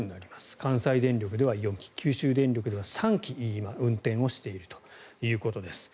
関西電力では４基九州電力では３基今、運転をしているということです。